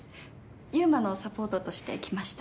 優馬のサポートとして来ました。